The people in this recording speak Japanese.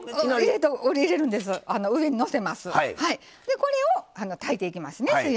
これを炊いていきますね。